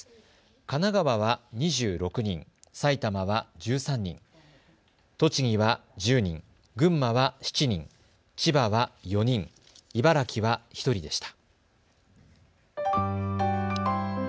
神奈川は２６人、埼玉は１３人、栃木は１０人、群馬は７人、千葉は４人、茨城は１人でした。